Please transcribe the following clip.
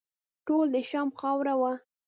ټول د شام خاوره وه.